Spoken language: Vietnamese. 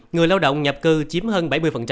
người lao động nhập cư chiếm hơn bảy mươi